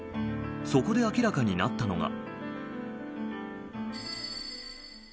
そこで明らかになったのが。